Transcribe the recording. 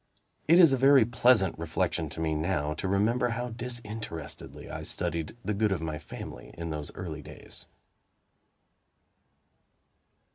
It is a very pleasant reflection to me, now, to remember how disinterestedly I studied the good of my family in those early days.